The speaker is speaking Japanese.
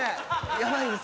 ヤバいです。